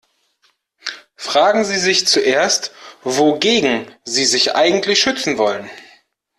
Fragen Sie sich zuerst, wogegen Sie sich eigentlich schützen wollen.